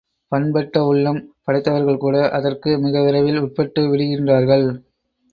பண்பட்ட உள்ளம் படைத்தவர்கள்கூட அதற்கு மிகவிரைவில் உட்பட்டு விடுகின்றார்கள்.